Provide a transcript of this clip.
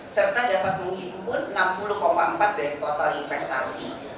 serta dapat menghibur enam puluh empat dari total investasi